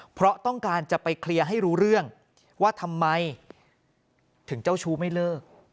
เพราะต้องการจะไปเคลียร์ให้รู้เรื่องว่าทำไมถึงเจ้าชู้ไม่เลิก